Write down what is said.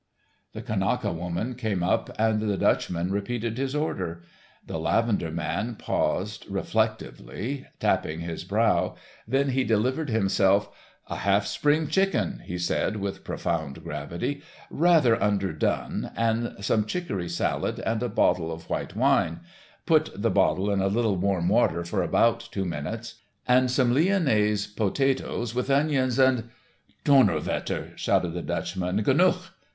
The Kanaka woman came up, and the Dutchman repeated his order. The lavender man paused reflectively tapping his brow, then he delivered himself: "A half spring chicken," he said with profound gravity, "rather under done, and some chicory salad and a bottle of white wine—put the bottle in a little warm water for about two minutes—and some lyonnaise potatoes with onions, and— "Donner wetter," shouted the Dutchman, "genuch!"